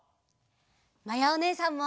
まやおねえさんも！